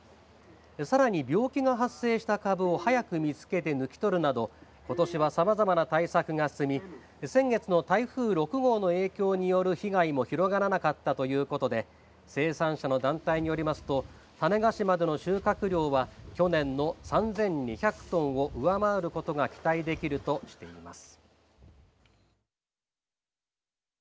さらに病気が発生した株を早く見つけて抜き取るなどことしはさまざまな対策が進み先月の台風６号の影響による被害も広がらなかったということで生産者の団体によりますと種子島での収穫量は去年の３２００トンを上回ることが期待できるとしています。